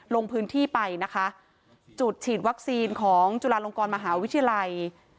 ลงพื้นที่ไปนะคะจุดฉีดวัคซีนของจุฬาลงกรมหาวิทยาลัย